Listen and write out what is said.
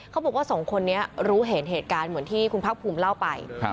เขาบอกว่าสองคนนี้รู้เห็นเหตุการณ์เหมือนที่คุณพักภูมิเล่าไป